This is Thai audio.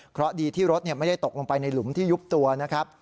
เพราะดีที่รถไม่ได้ตกลงไปในหลุมที่ยุบตัวนะครับ